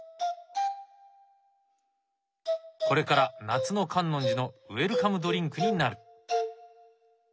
これから夏の観音寺のウェルカムドリンクになる。